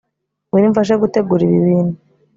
ngwino umfashe guterura ibi bintu